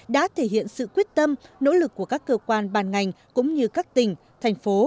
đã thể hiện sự quyết tâm nỗ lực của các cơ quan bàn ngành cũng như các tỉnh thành phố